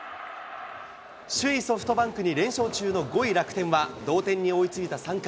首位ソフトバンクに連勝中の５位楽天は、同点に追いついた３回。